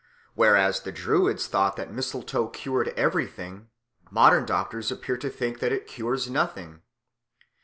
Whereas the Druids thought that mistletoe cured everything, modern doctors appear to think that it cures nothing.